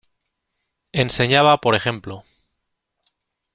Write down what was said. Enseñaba p. ej.